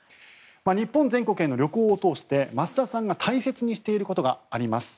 日本全国への旅行を通して益田さんが大切にしていることがあります。